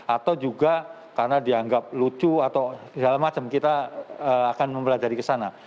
atau juga karena dianggap lucu atau segala macam kita akan mempelajari ke sana